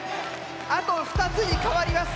あと２つにかわります。